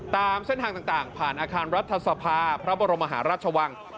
ตามเส้นทางต่างผ่านอาคารรัฐสภาพระบรมหาราชวัง